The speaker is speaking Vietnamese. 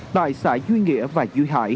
tại xã duy nghĩa và duy hải